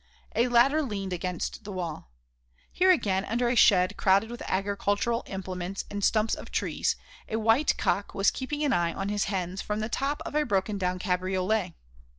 A ladder leaned against the wall. Here again, under a shed crowded with agricultural implements and stumps of trees, a white cock was keeping an eye on his hens from the top of a broken down cabriolet.